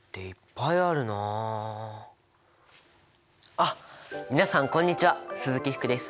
あっ皆さんこんにちは鈴木福です。